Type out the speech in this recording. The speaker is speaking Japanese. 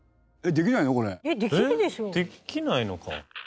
できないのか。